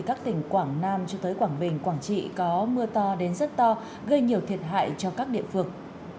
các tỉnh quảng nam cho tới quảng bình quảng trị có mưa to đến rất to gây nhiều thiệt hại cho các địa phương